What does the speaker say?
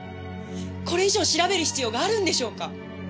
これ以上調べる必要があるんでしょうか？